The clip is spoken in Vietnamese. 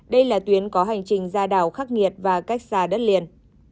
đây là tuyến có hành trình ra đảo khắc nghiệt và cách xa đất liền